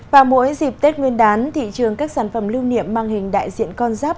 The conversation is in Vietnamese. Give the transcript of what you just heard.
vào mỗi dịp tết nguyên đán thị trường các sản phẩm lưu niệm mang hình đại diện con giáp